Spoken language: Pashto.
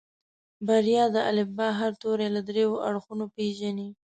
بريا د الفبا هر توری له دريو اړخونو پېژني.